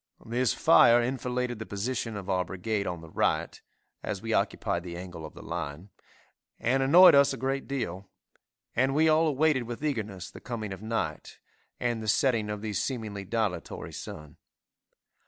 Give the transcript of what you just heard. This fire enfiladed the position of our brigade on the right, (as we occupied the angle of the line,) and annoyed us a great deal, and we all awaited with eagerness the coming of night, and the setting of the seemingly dilatory sun.